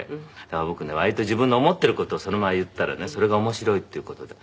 だから僕ね割と自分の思っている事をそのまま言ったらねそれが面白いっていう事で。